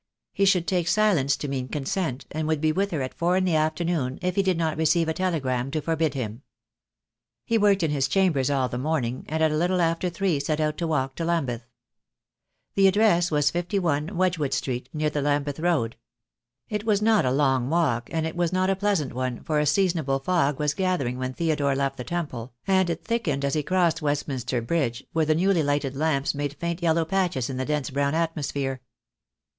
He should take silence to mean consent, and would be with her at four in the afternoon, if he did not receive a telegram to forbid him. He worked in his chambers all the morning, and at a little after three set out to walk to Lambeth. The address was 51, Wedgewood Street, near the Lambeth Road. It was not a long walk, and it was not a pleasant one, for a seasonable fog was gathering when Theodore left the Temple, and it thickened as he crossed West minster Bridge, where the newly lighted lamps made faint yellow patches in the dense brown atmosphere.